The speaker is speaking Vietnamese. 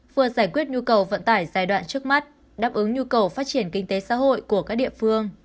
vừa giải quyết nhu cầu vận tải giai đoạn trước mắt đáp ứng nhu cầu phát triển kinh tế xã hội của các địa phương